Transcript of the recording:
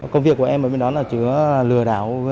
công việc của em ở bên đó là chữa lừa đảo